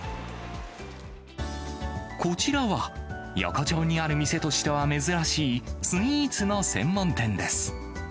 こちらは、横丁にある店としては珍しい、スイーツの専門店です。